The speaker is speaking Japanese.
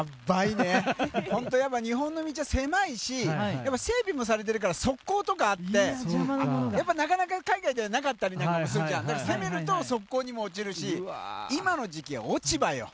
本当にやっぱ日本の道は狭いし整備もされているから側溝とかあってなかなか海外ではなかったりするからでも攻めると側溝にも落ちるし今の時期は落ち葉よ。